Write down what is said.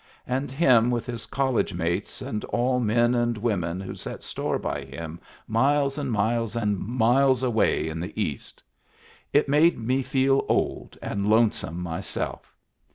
And him with his college mates and alf men and women who set store by him miles and miles and miles away in the East. It made me feel old and lone some myself